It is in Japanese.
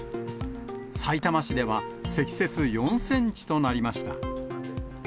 さいたま市では、積雪４センチとなりました。